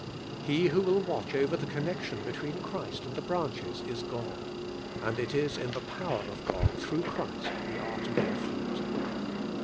Be who will watch over the connection between Christ and the branches is God: and ii is in the power of God, through' Christ, wi. arc to bear fruit.